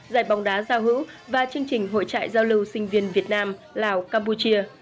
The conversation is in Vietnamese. giải bóng đá giao hữu và chương trình hội trại giao lưu sinh viên việt nam lào campuchia